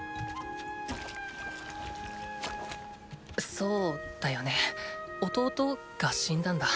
そうだよね弟？が死んだんだ。